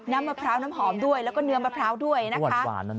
มะพร้าวน้ำหอมด้วยแล้วก็เนื้อมะพร้าวด้วยนะคะ